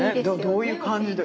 どういう感じで？